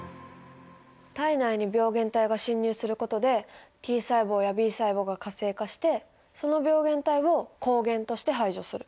体内に病原体が侵入することでＴ細胞やＢ細胞が活性化してその病原体を抗原として排除する。